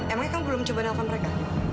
emangnya kan belum coba nelfon mereka